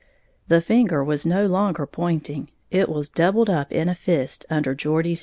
The finger was no longer pointing, it was doubled up in a fist under Geordie's nose.